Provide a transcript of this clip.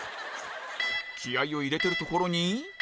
気合を入れてるところに